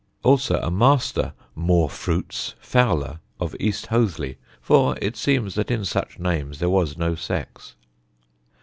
Also a Master More Fruits Fowler of East Hoathly, for it seems that in such names there was no sex.